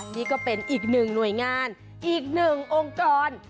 นี่ก็เป็นอีกหนึ่งหน่วยงานอีกหนึ่งองค์กร